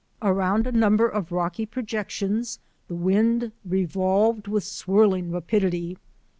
Around a number of rocky projections the wind revolved with swirling rapidity.